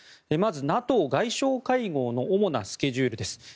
まず、ＮＡＴＯ外相会合の主なスケジュールです。